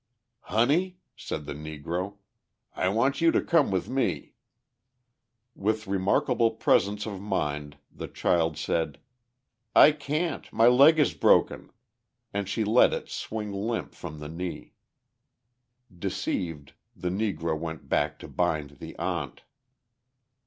"Honey," said the Negro, "I want you to come with me." With remarkable presence of mind the child said: "I can't, my leg is broken," and she let it swing limp from the knee. Deceived, the Negro went back to bind the aunt.